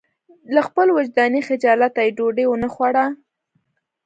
له خپل وجداني خجالته یې ډوډۍ ونه خوړه.